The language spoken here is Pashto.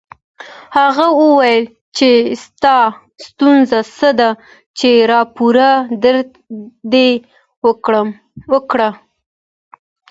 هغه وویل چې ستا ستونزه څه ده چې راپور دې ورکړ